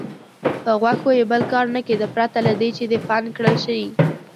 په غوښو یې بل کار نه کېده پرته له دې چې دفن کړل شي.